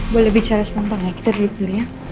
boleh bicara sebentar ya kita duduk dulu ya